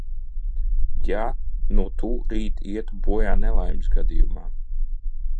Ja nu tu rīt ietu bojā nelaimes gadījumā?